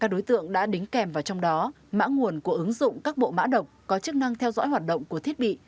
các đối tượng đã đính kèm vào trong đó mã nguồn của ứng dụng các bộ mã độc có chức năng theo dõi hoạt động của thiết bị